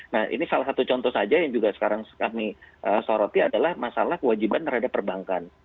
nah ini salah satu contoh saja yang juga sekarang kami soroti adalah masalah kewajiban terhadap perbankan